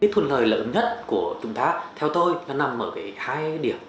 thuận lợi lớn nhất của chúng ta theo tôi là nằm ở hai điểm